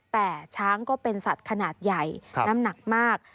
แต่ช้างก็เป็นสัตว์ขนาดใหญ่น้ำหนักมาก